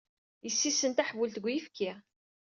Yessisen taḥbult deg uyefki.